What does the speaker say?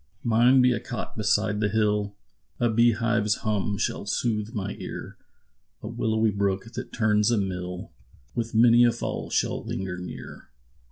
Mine be a cot beside the hill, A bee hive's hum shall sooth my ear; A willowy brook, that turns a mill, With many a fall shall linger near.